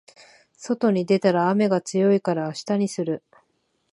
外に出たら雨が強いから明日にする